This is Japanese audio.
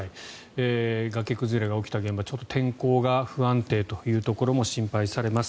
崖崩れが起きた現場ちょっと天候が不安定というところも心配されます。